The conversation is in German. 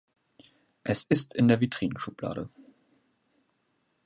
Es ist in der Vitrinenschublade.